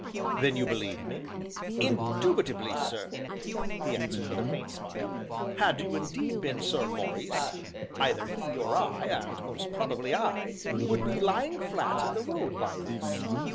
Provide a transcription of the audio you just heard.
"Then you believe me?" "Indubitably, sir," he answered with a faint smile; "had you indeed been Sir Maurice, either he or I, and most probably I, would be lying flat in the road, by this."